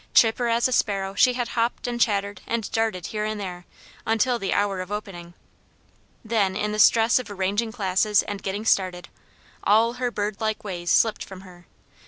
Chipper as a sparrow, she had hopped, and chattered, and darted here and there, until the hour of opening. Then in the stress of arranging classes and getting started, all her birdlike ways slipped from her.